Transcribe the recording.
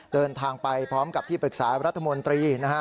เดินทางไปพร้อมกับที่ปรึกษารัฐมนตรีนะฮะ